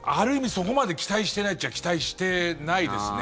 そこまで期待してないっちゃ期待してないですね。